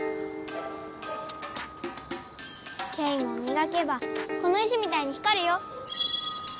ケイもみがけばこの石みたいに光るよ。